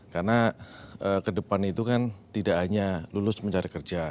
karena ke depan itu kan tidak hanya lulus mencari kerja